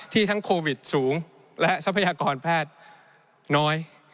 ทั้งโควิดสูงและทรัพยากรแพทย์น้อย